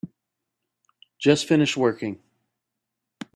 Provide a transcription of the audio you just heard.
Just finished working.